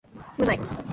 無罪